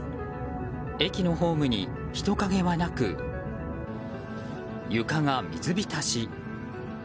駅のホームに人影はなく床が水浸し。